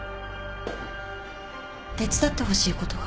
手伝ってほしいことが。